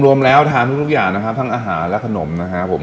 รวมแล้วทานทุกอย่างนะครับทั้งอาหารและขนมนะครับผม